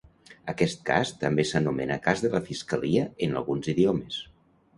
Aquest cas també s'anomena cas de la fiscalia en alguns idiomes.